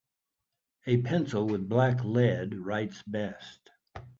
A pencil with black lead writes best.